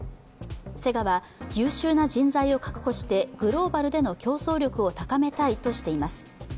セガは、優秀な人材を確保してグローバルでの競争力を高めたいとしています。